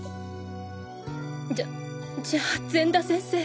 じゃじゃあ善田先生